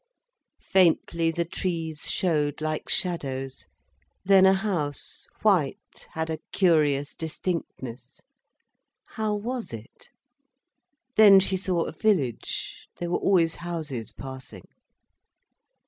Faintly, the trees showed, like shadows. Then a house, white, had a curious distinctness. How was it? Then she saw a village—there were always houses passing.